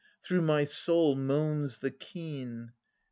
Through my soul moans the keen